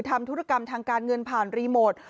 ธุรกรรมทางการเงินผ่านรีโมท